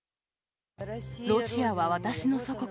ロシアは私の祖国。